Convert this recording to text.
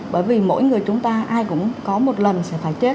bởi vì mỗi người chúng ta ai cũng có một lần sẽ phải chết